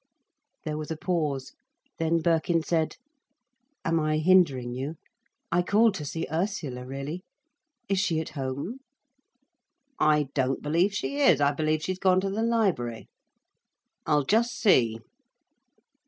There was a pause. Then Birkin said: "Am I hindering you? I called to see Ursula, really. Is she at home?" "I don't believe she is. I believe she's gone to the library. I'll just see."